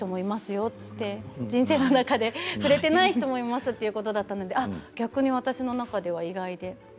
よって人生の中で触れていない人もいますということだったので逆に私の中では意外で。